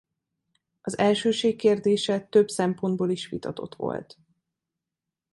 Az elsőség kérdése több szempontból is vitatott volt.